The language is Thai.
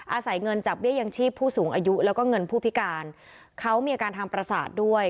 อาศัยเงินจากเบี้ยยังชีพผู้สูงอายุแล้วก็เงินผู้พิการเขามีอาการทางประสาทด้วย